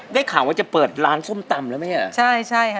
ได้ข่าวว่าจะเปิดร้านส้มตำแล้วไหมอ่ะใช่ใช่ค่ะ